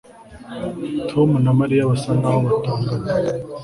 Tom na Mariya basa nkaho batongana